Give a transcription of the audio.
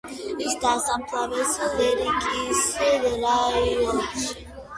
ის დაასაფლავეს ლერიკის რაიონში.